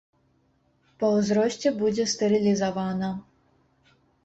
Па ўзросце будзе стэрылізавана.